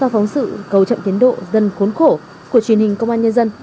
trong sự cầu chậm tiến độ dân khốn khổ của truyền hình công an nhân dân